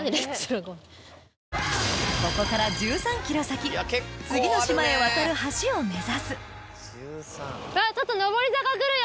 ここから１３ｋｍ先次の島へ渡る橋を目指すちょっと上り坂来るよ。